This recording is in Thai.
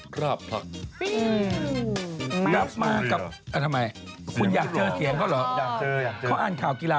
เขาอ่านข่าวกีฬาอยู่ข้างล่างนะ